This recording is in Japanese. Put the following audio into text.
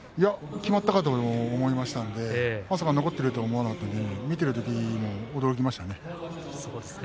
きまったかと思いましたのでまさか残っているなんて思わなかったので見ているとき驚きましたね。